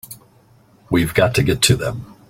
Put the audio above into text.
We've got to get to them!